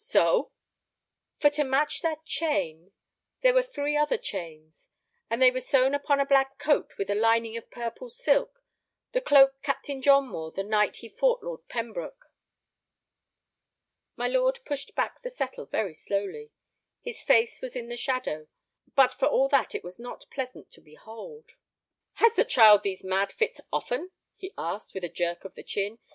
"So!" "For to match that chain—there were three other chains. And they were sewn upon a black cloak with a lining of purple silk, the cloak Captain John wore the night he fought Lord Pembroke." My lord pushed back the settle very slowly. His face was in the shadow, but for all that it was not pleasant to behold. "Has the child these mad fits often?" he asked, with a jerk of the chin.